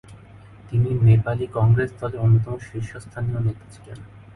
তিনি নেপালি কংগ্রেস দলের অন্যতম শীর্ষস্থানীয় নেতা ছিলেন।